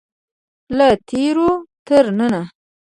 له تیرو تر ننه.